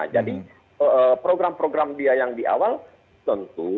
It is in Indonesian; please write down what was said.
jadi program program dia yang di awal tentu